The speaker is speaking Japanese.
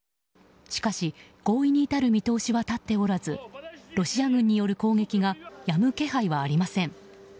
しかし、合意に至る見通しは立っておらずロシア軍による攻撃がやむ気配はありません。